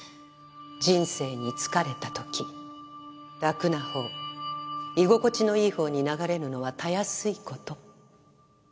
人生に疲れた時楽なほう居心地のいいほうに流れるのはたやすい事。